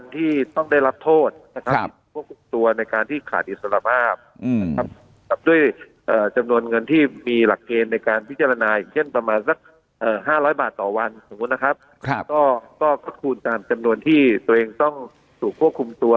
ต่อวันสมมุตินะครับครับก็ก็คูณตามจำนวนที่ตัวเองต้องถูกควบคุมตัว